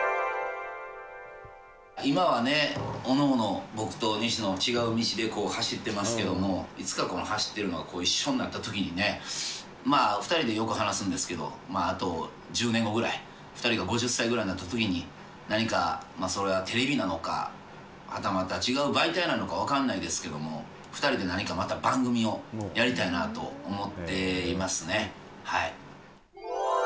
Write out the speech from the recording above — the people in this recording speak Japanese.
今はね、おのおの僕と西野、違う道で走ってますけれども、いつか走ってるのが一緒になったときにね、まあ、２人でよく話すんですけど、あと１０年後ぐらい、２人が５０歳ぐらいになったときに、何かそれはテレビなのか、はたまた違う媒体なのか分からないですけども、２人で何かまた番組をやりたいなと思っていますね。